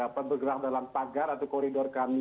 pembergerak dalam pagar atau koridor kami